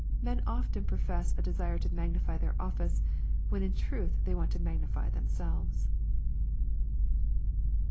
Men often profess a desire to magnify their office, when in truth they want to magnify them selves.